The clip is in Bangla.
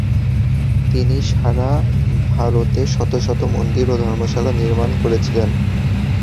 তিনি সারা ভারতে শত শত মন্দির ও ধর্মশালা নির্মাণ করেছিলেন।